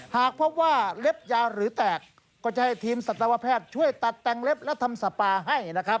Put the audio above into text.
หากพบว่าเล็บยาหรือแตกก็จะให้ทีมสัตวแพทย์ช่วยตัดแต่งเล็บและทำสปาให้นะครับ